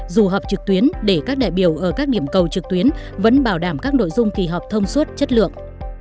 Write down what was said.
dù họp trực tuyến để các đại biểu ở các điểm cầu trực tuyến vẫn bảo đảm các nội dung kỳ họp thông suốt chất lượng